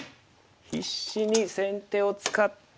必死に先手を使って。